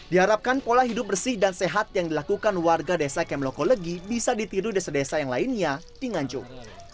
diharapkan pola hidup bersih dan sehat yang dilakukan warga desa kemloko legi bisa ditiru desa desa yang lainnya di nganjuk